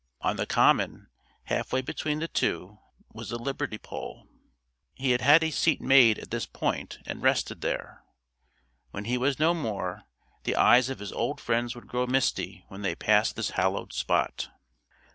On the common, half way between the two, was the liberty pole. He had a seat made at this point and rested there. When he was no more, the eyes of his old friends would grow misty when they passed this hallowed spot.